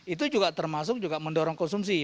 itu juga termasuk juga mendorong konsumsi